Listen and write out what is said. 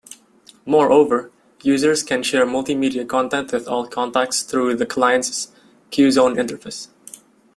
Moreover, users can share multimedia content with all contacts through the client's Qzone interface.